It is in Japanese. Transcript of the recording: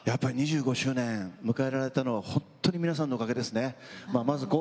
２５周年迎えられたのは本当に皆さんのおかげですね。